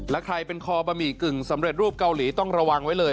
และใครเป็นคอบะหมี่กึ่งสำเร็จรูปเกาหลีต้องระวังไว้เลย